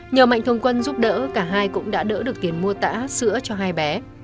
nhờ mạnh thông quân giúp đỡ cả hai cũng đã đỡ được tiền mua tả sữa cho hai bé